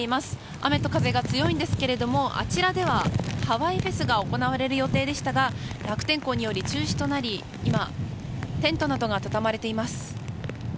雨と風が強いんですけどもあちらでは、ハワイフェスが行われる予定でしたが悪天候により中止となり今テントなどが畳まれています。